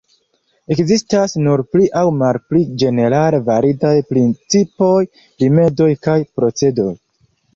Ekzistas nur pli aŭ malpli ĝenerale validaj principoj, rimedoj kaj procedoj.